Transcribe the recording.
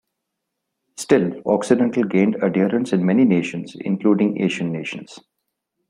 Still, Occidental gained adherents in many nations including Asian nations.